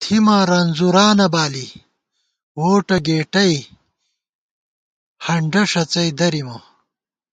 تِھمہ رنځُورانہ بالی ووٹہ گېٹَئ ہنڈہ ݭڅَئ دَرِمہ